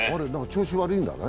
調子悪いんだね？